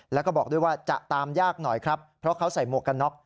แล้วก็บอกด้วยว่าจะตามยากหน่อยครับเพราะเขาใส่หมวกกันน็อก